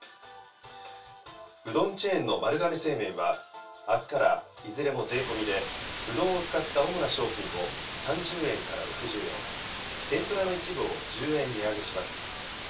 うどんチェーンの丸亀製麺は、あすからいずれも税込みでうどんを使った主な商品を、３０円から６０円、天ぷらの一部を１０円値上げします。